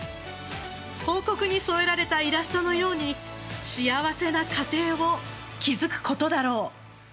報告に添えられたイラストのように幸せな家庭を築くことだろう。